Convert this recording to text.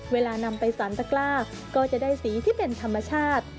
เวลานำไปสรรตะกล้าก็จะได้สีที่เป็นธรรมชาติ